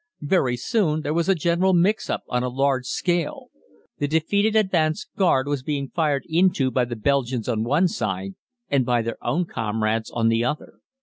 Very soon there was a general mix up on a large scale. The defeated advance guard was being fired into by the Belgians on one side and by their own comrades on the other.